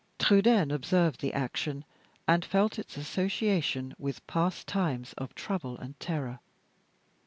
Trudaine observed the action, and felt its association with past times of trouble and terror.